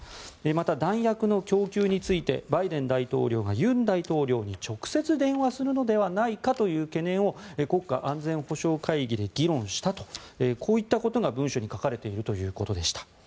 また、弾薬の供給についてバイデン大統領が尹大統領に直接電話するのではないかという懸念を国家安全保障会議で議論したとこういったことが文書に書かれているということでした。